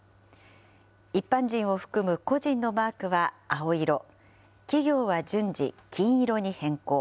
一般人を含む個人のマークは青色、企業は順次、金色に変更。